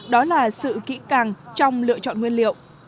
đó là sự kỹ càng trong lựa chọn nguyên liệu